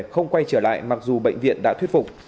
không quay trở lại mặc dù bệnh viện đã thuyết phục